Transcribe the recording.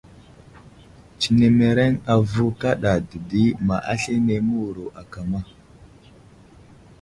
Tsenemereŋ avo kaɗa dedi ma aslane məwuro akama.